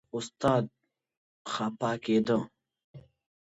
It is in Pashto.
استاد خپه کېده.